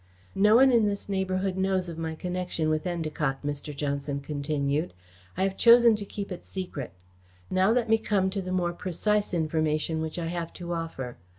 "No one in this neighbourhood knows of my connection with Endacott," Mr. Johnson continued. "I have chosen to keep it secret. Now let me come to the more precise information which I have to offer.